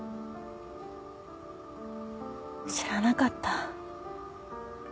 知らなかった。